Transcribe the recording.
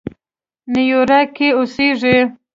نیویارک کې اوسېږي.